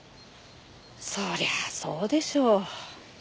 そりゃそうでしょう。